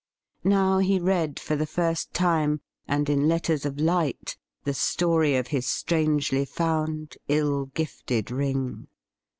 Now he read for the first time, and in letters of light, the story of his strangely found, ill gifted ring.